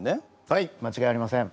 はいまちがいありません。